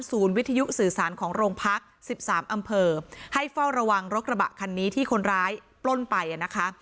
วิทยุสื่อสารของโรงพัก๑๓อำเภอให้เฝ้าระวังรถกระบะคันนี้ที่คนร้ายปล้นไปนะคะ